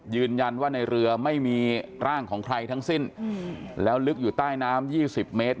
ยืนยันว่าในเรือไม่มีร่างของใครทั้งสิ้นแล้วลึกอยู่ใต้น้ำ๒๐เมตร